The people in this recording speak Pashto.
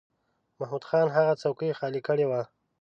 محمود خان هغه څوکۍ خالی کړې وه.